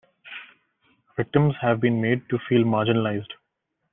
Victims have been made to feel marginalised.